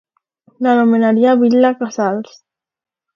L'anomenaria Vil·la Casals.